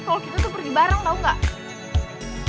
nyokap lo pikir kalo kita tuh pergi bareng tau gak